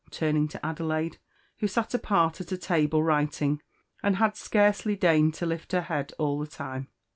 turning to Adelaide, who sat apart at a table writing, and had scarcely deigned to lift her head all the time.